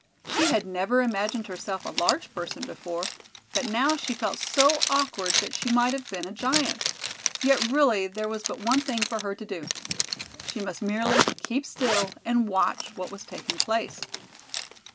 She had never imagined herself a large person before, but now she felt so awkward that she might have been a giant. Yet really there was but one thing for her to do: she must merely keep still and watch what was taking place.